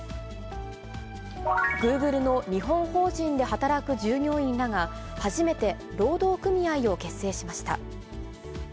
グーグルの日本法人で働く従業員らが、初めて労働組合を結成しました。